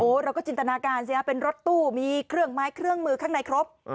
เราก็จินตนาการสิฮะเป็นรถตู้มีเครื่องไม้เครื่องมือข้างในครบ